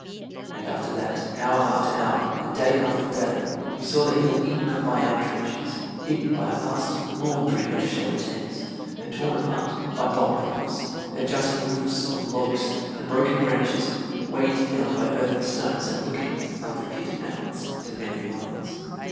And after that, hour after hour, and day after day, we saw the hill eaten up by our trenches, hidden by a vast laundry of shelter tents, and torn apart by bomb proofs, their jutting roofs of logs and broken branches weighed down by earth and stones and looking like the pit mouths to many mines.